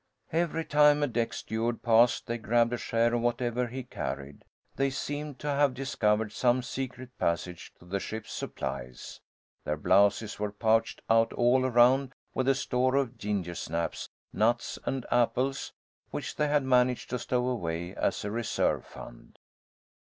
Every time a deck steward passed, they grabbed a share of whatever he carried. They seemed to have discovered some secret passage to the ship's supplies. Their blouses were pouched out all around with the store of gingersnaps, nuts, and apples which they had managed to stow away as a reserve fund.